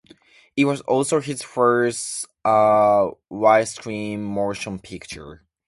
It was also his first widescreen motion picture.